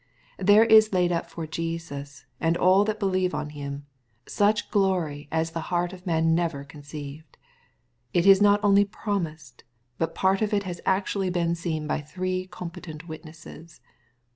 There Js laid up for Jesus, and all that believe on Him^ such glory as the heart of man never conceived. It is not only promised, but part of it has actually been seen by three competent witnesses.